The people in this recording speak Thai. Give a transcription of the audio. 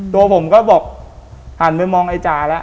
ตัวผมก็บอกหันไปมองไอ้จ๋าแล้ว